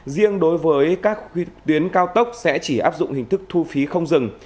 riêng đối với các tuyến cao tốc sẽ chỉ áp dụng hình thức thu phí không dừng